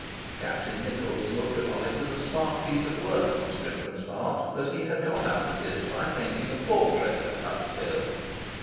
Captain Nichols looked upon it as a smart piece of work on Strickland's part that he had got out of this by painting a portrait of Tough Bill.